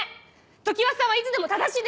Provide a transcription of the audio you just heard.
常葉さんはいつでも正しいです。